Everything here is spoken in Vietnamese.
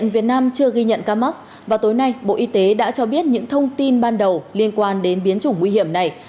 vào tối nay bộ y tế đã cho biết những thông tin ban đầu liên quan đến biến chủng nguy hiểm này